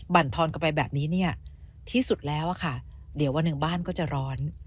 บรรทอนกันไปแบบนี้เนี่ยที่สุดแล้วอะค่ะเดี๋ยววันหนึ่งบ้านก็จะร้อน